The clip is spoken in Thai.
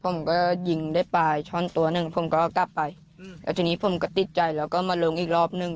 ผมก็ยิงได้ปลายช่อนตัวหนึ่งผมก็กลับไปอืมแล้วทีนี้ผมก็ติดใจแล้วก็มาลงอีกรอบนึง